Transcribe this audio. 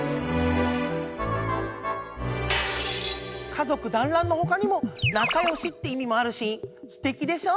「家族だんらん」のほかにも「なかよし」って意味もあるしステキでしょ？